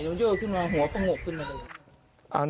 นุ่งเตี่ยวขึ้นมาหัวตัวหกขึ้นมาเลย